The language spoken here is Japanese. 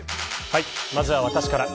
まずは私から。